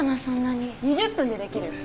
２０分でできるよ。